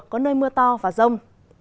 có nơi mưa to và rông